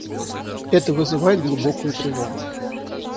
Это вызывает глубокую тревогу.